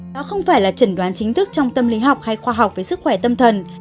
đó không phải là trần đoán chính thức trong tâm lý học hay khoa học với sức khỏe tâm thần